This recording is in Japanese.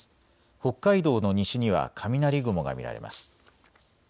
北海道の西には雷雲が見られます。